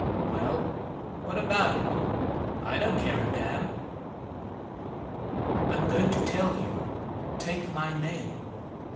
"Well, what about it? I don't care a damn." "I'm going to tell you. Take my name.